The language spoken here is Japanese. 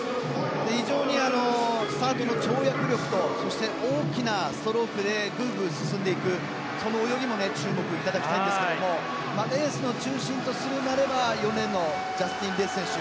非常にスタートの跳躍力と大きなストロークでグングン進んでいくその泳ぎも注目いただきたいんですがレースの中心となるのはジャスティン・レス選手